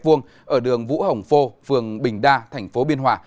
ở đường vũ hồng phô phường bình đa tp biên hòa